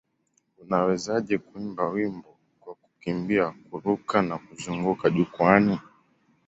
Unawezaje kuimba wimbo kwa kukimbia, kururuka na kuzunguka jukwaani?